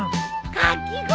かき氷！